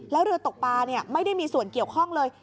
แล้วเรือตกปลาไม่ได้มีส่วนเกี่ยวข้องเลย